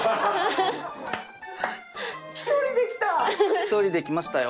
１人で来ましたよ。